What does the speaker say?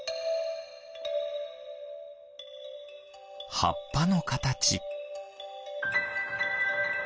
はっぱのかたち。